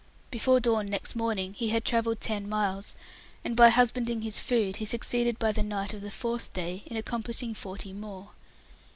Before dawn next morning he had travelled ten miles, and by husbanding his food, he succeeded by the night of the fourth day in accomplishing forty more.